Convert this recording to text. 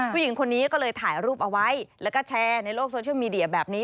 ผู้หญิงคนนี้ก็เลยถ่ายรูปเอาไว้แล้วก็แชร์ในโลกโซเชียลมีเดียแบบนี้